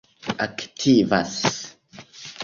aktivas